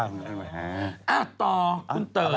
ต่อคุณเต๋อ